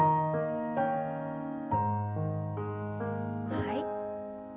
はい。